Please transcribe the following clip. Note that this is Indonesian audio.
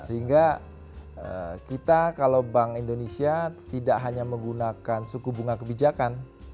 sehingga kita kalau bank indonesia tidak hanya menggunakan suku bunga kebijakan